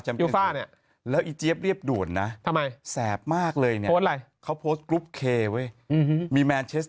มีอดีตศักดิ์ค้าย่าคลอง๑๕